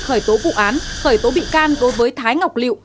khởi tố vụ án khởi tố bị can đối với thái ngọc liệu